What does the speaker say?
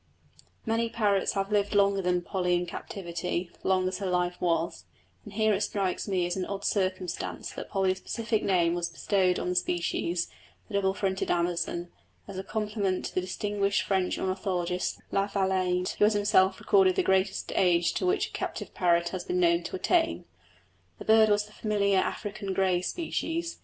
Many parrots have lived longer than Polly in captivity, long as her life was; and here it strikes me as an odd circumstance that Polly's specific name was bestowed on the species, the double fronted amazon, as a compliment to the distinguished French ornithologist, La Valainte, who has himself recorded the greatest age to which a captive parrot has been known to attain. This bird was the familiar African grey species.